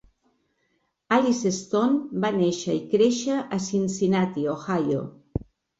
Alice Stone va néixer i créixer a Cincinnati (Ohio).